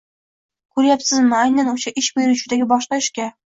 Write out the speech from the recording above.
Ko‘ryapsizmi, aynan o‘sha ish beruvchidagi boshqa ishga